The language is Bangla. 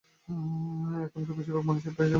এখানকার বেশিরভাগ মানুষের পেশা কৃষি ও প্রবাসী।